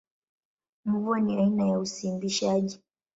Mvua ni aina ya usimbishaji.